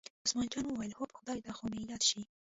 عثمان جان وویل: هو په خدای دا خو مې یاد شي.